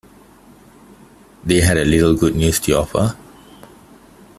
They had little good news to offer.